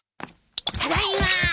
ただいま。